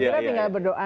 gara gara tinggal berdoa